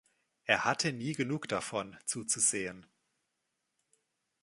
Er hatte nie genug davon, zuzusehen.